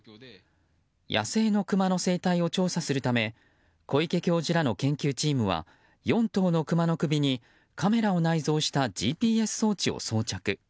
野生のクマの生態を調査するため小池教授らの研究チームは４頭のクマの首にカメラを内蔵したＧＰＳ装置を装着。